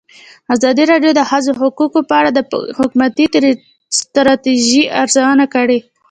ازادي راډیو د د ښځو حقونه په اړه د حکومتي ستراتیژۍ ارزونه کړې.